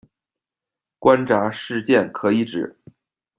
关闸事件可以指：